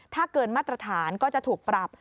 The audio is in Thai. ถ้าเกินมาตรฐานก็จะถูกปรับ